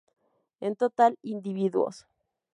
En total, individuos.